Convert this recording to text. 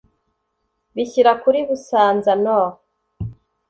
Bishyira kuri Busanza-Nord